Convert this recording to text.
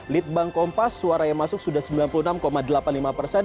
litbang kompas suara yang masuk sudah sembilan puluh tujuh lima persen